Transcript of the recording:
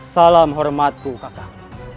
salam hormatku kakak